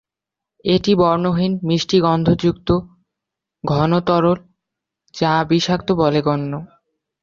এটি বর্ণহীন, মিষ্টি গন্ধযুক্ত, ঘন তরল যা বিষাক্ত বলে গণ্য।